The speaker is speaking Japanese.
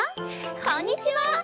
こんにちは！